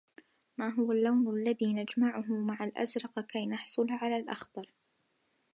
ما هو اللّون الذي نجمعه مع الأزرق كي نحصل على الأخضر؟